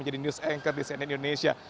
jadi news anchor di cnn indonesia